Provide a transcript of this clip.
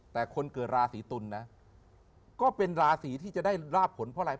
แต่คนเกิดราศีตุลนะก็เป็นราศีที่จะได้ราบผลเพราะอะไร